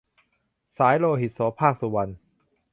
สายโลหิต - โสภาค สุวรรณ